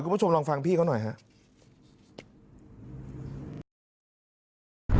คุณผู้ชมลองฟังพี่เขาหน่อยครับ